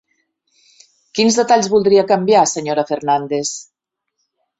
Quins detalls voldria canviar, senyora Fernández?